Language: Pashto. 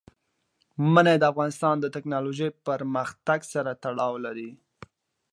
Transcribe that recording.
منی د افغانستان د تکنالوژۍ پرمختګ سره تړاو لري.